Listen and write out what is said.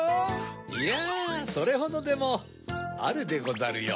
いやそれほどでもあるでござるよ。